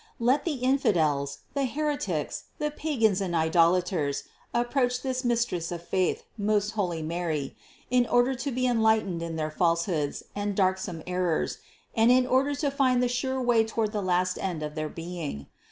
Let the infidels, the heretics, the pagans and idolaters approach this Mistress of faith, most holy Mary, in order to be en lightened in their falsehoods and darksome errors and in order to find the sure way toward the last end of their being1.